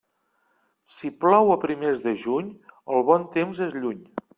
Si plou a primers de juny, el bon temps és lluny.